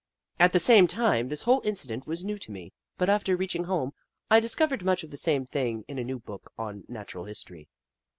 At the time, this whole incident was new to me, but after reaching home, I discovered much the same thing in a new book on Nat ural History.